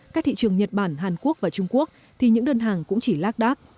các thị trường nhật bản hàn quốc và trung quốc thì những đơn hàng cũng chỉ lát đát